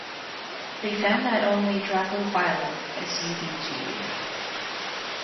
They found that only "Dracophyllum" subg.